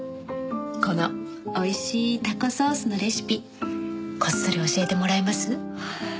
このおいしいタコソースのレシピこっそり教えてもらえます？